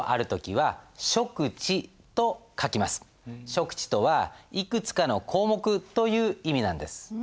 諸口とは「いくつかの項目」という意味なんです。